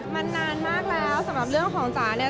มันนานมากแล้วสำหรับเรื่องของจ๋าเนี่ย